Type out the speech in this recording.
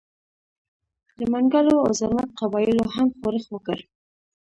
د منګلو او زرمت قبایلو هم ښورښ وکړ.